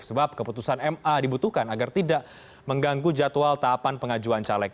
sebab keputusan ma dibutuhkan agar tidak mengganggu jadwal tahapan pengajuan caleg